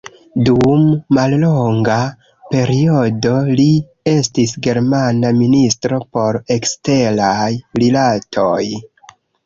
Dum mallonga periodo li estis germana ministro por Eksteraj Rilatoj.